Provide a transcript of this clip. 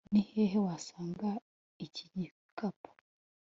ni hehe wasanze iki gikapo